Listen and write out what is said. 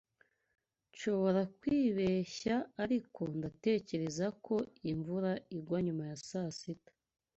Nshobora kwibeshya, ariko ndatekereza ko imvura izagwa nyuma ya saa sita.